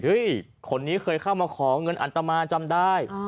คนนี้เคยเข้ามาขอเงินอัตมาจำได้